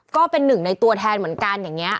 ก็เป็นหนึ่งในตัวแทนเหมือนกันอย่างนี้